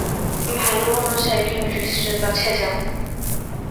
ভাল কোনো সাইকিয়াট্রিস্টের কাছে যান।